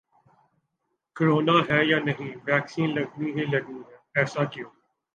corona ہے یا نہیں ویکسین لگنی ہی لگنی ہے، ایسا کیوں